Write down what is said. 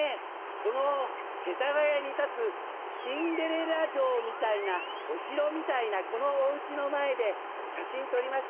この世田谷にたつシンデレラ城みたいなお城みたいなこのお家の前で写真撮りましょう。